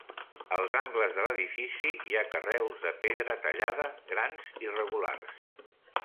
Als angles de l'edifici hi ha carreus de pedra tallada grans i regulars.